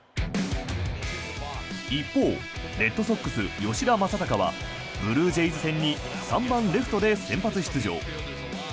一方レッドソックス、吉田正尚はブルージェイズ戦に３番レフトで先発出場。